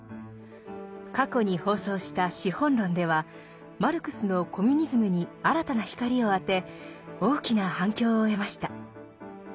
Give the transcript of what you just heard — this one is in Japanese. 過去に放送した「資本論」ではマルクスのコミュニズムに新たな光を当て大きな反響を得ました。